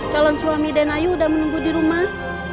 calon suami denayu udah menunggu dirumah